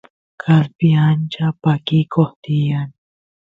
kaspi ancha pakikoq tiyan